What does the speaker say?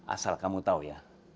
asal kamu tahu ya